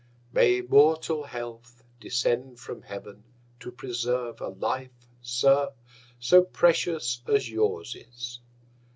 May immortal Health descend from Heaven to preserve a Life, Sir, so precious as yours is.